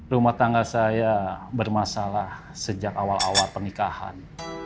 rumah tangga saya bermasalah sejak awal awal pernikahan